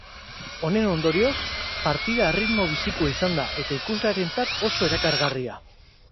Honen ondorioz, partida erritmo bizikoa izan da eta ikuslearentzat oso erakargarria.